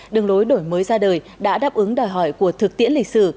đường lối đổi mới ra đời đã đáp ứng đòi hỏi của thực tiễn lịch sử